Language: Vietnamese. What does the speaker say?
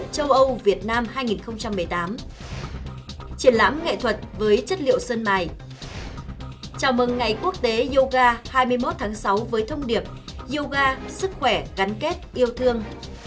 chào mừng ngày quốc tế yoga hai mươi một tháng sáu với thông điệp yoga sức khỏe gắn kết yêu thương